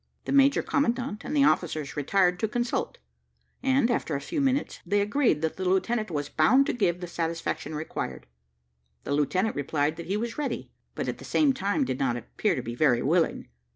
The major commandant and the officers retired to consult, and, after a few minutes, they agreed that the lieutenant was bound to give the satisfaction required. The lieutenant replied that he was ready; but, at the same time, did not appear to be very willing.